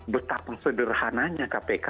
betapa sederhananya kpk